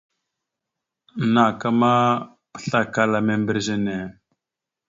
Naka ma, pəslakala membirez a ne.